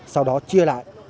sau đó chia lại